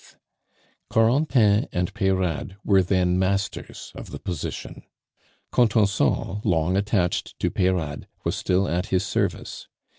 Corentin and Peyrade were then masters of the position. Contenson, long attached to Peyrade, was still at his service.